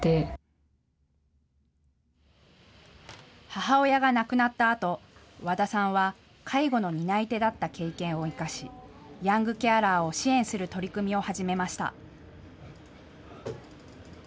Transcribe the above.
母親が亡くなったあと、和田さんは介護の担い手だった経験を生かし、ヤングケアラーを支援する取り組みを始めました。